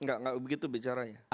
enggak enggak begitu bicaranya